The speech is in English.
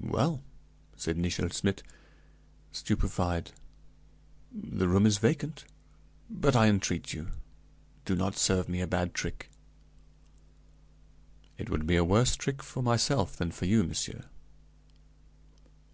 "Well," said Nichel Schmidt, stupefied, "the room is vacant, but I entreat you, do not serve me a bad trick." "It would be a worse trick for myself than for you, monsieur."